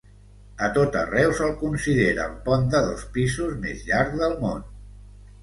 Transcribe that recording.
A tot arreu se'l considera el pont de dos pisos més llarg del món.